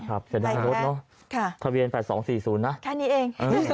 ครับเสร็จทางรถเนอะค่ะทะเวียนแปดสองสี่ศูนย์นะคันนี้เอง